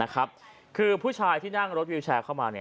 คือผู้ชายที่นั่งรถวิวแชร์เข้ามา